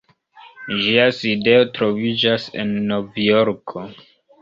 Ĝia sidejo troviĝas en Novjorko.